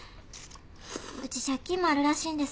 ウチ借金もあるらしいんです。